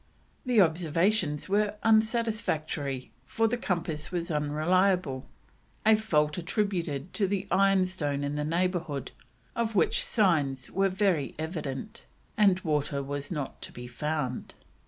The observations were unsatisfactory, for the compass was unreliable, a fault attributed to the ironstone in the neighbourhood, of which signs were very evident, and water was not to be found.